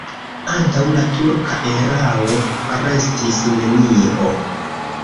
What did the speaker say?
Antaŭ la turka erao restis nenio.